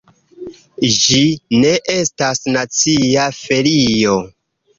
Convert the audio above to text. Ĝi ne estas nacia ferio.